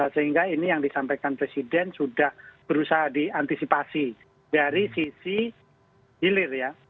sehingga ini yang disampaikan presiden sudah berusaha diantisipasi dari sisi hilir ya